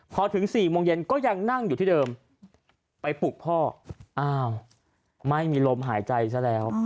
พอถึง๔โมงเย็นก็ยังนั่งอยู่ที่เดิมไปปลุกพ่ออ้าวไม่มีลมหายใจซะแล้ว